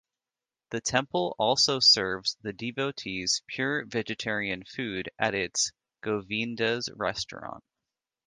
The temple also serves the devotees pure vegetarian food at its 'Govindas' restaurant.